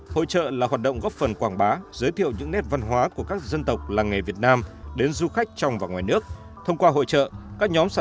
hội trợ hàng thủ công việt nam lần thứ hai mươi sáu có bốn mươi bốn quầy hàng